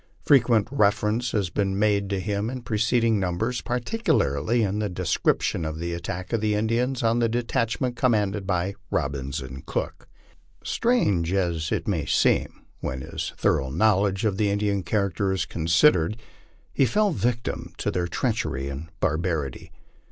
Frequent reference has been made to him in preceding numbers, particularly in the description of the attack of the Indians on the detachment commanded by Robbins and Cook. Strange as it may seem, when his thor ough knowledge of the Indian character is considered, he fell a victim to their treachery and barbarity.